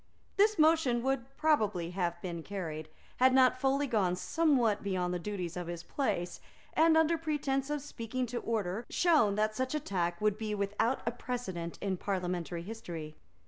This motion would probably have been carried, had not Foley gone somewhat beyond the duties of his place, and, under pretence of speaking to order, shown that such a tack would be without a precedent in parliamentary history.